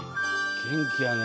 元気やね。